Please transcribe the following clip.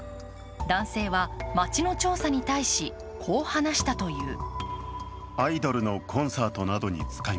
男性は、町の調査に対しこう話したという。